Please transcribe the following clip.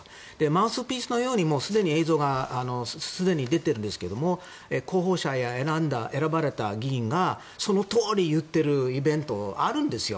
マウスピースのようにすでに映像が出ているんですが候補者や選ばれた議員がそのとおりに言っているイベントあるんですよ。